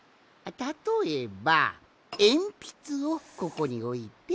たとえばえんぴつをここにおいて。